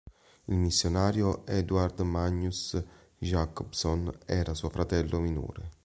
Il missionario Eduard Magnus Jakobson era suo fratello minore.